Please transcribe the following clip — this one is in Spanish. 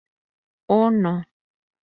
O no".